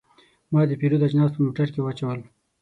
ما د پیرود اجناس په موټر کې واچول.